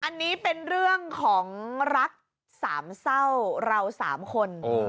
อันนี้เป็นเรื่องของรักสามเศร้าเราสามคน